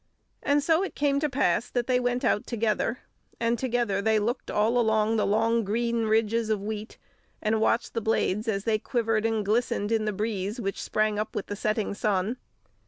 And so it came to pass that they went out together. And together they looked all along the long green ridges of wheat, and watched the blades as they quivered and glistened in the breeze which sprang up with the setting sun.